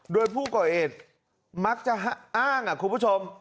โดยผู้ก่อเหตุมักจะอ้างคุณผู้ชม